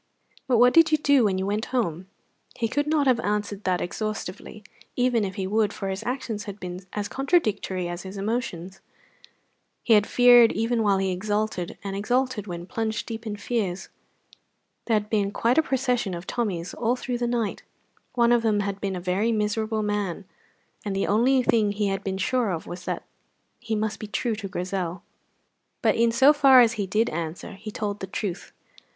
But what did you do when you went home?" He could not have answered that exhaustively, even if he would, for his actions had been as contradictory as his emotions. He had feared even while he exulted, and exulted when plunged deep in fears. There had been quite a procession of Tommies all through the night; one of them had been a very miserable man, and the only thing he had been sure of was that he must be true to Grizel. But in so far as he did answer he told the truth.